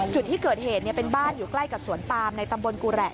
จุดที่เกิดเหตุเป็นบ้านอยู่ใกล้กับสวนปามในตำบลกุแหละ